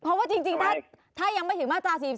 เพราะว่าจริงถ้ายังไม่ถึงมาตรา๔๔